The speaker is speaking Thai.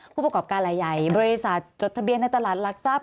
ผู้ประกอบการรายใหญ่บริษัทจดทะเบียนในตลาดหลักทรัพย